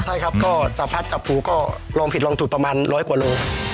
ใช่ครับก็จับพัดจับภูก็ลองผิดลองถูกประมาณร้อยกว่าโล